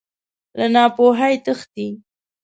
له ناپوهۍ تښتې.